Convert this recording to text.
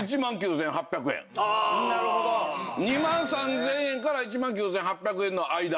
２万３０００円から１万９８００円の間。